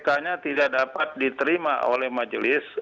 alasan pk nya tidak dapat diterima oleh majelis